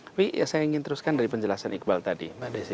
tapi saya ingin teruskan dari penjelasan iqbal tadi